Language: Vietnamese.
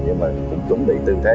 nhưng mà cũng chuẩn bị tư thế